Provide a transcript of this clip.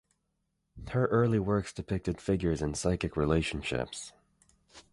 Her early works depicted figures in psychic relationships.